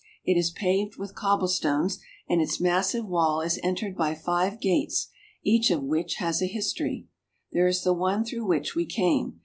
It is paved with cobblestones, and its massive wall is entered by five gates, each of which has a history. There is the one through which we came.